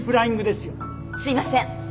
すいません。